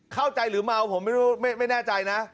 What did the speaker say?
เข้าใจหรือเมาผมไม่แน่ใจนะ